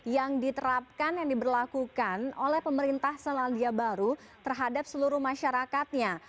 yang diterapkan yang diberlakukan oleh pemerintah selandia baru terhadap seluruh masyarakatnya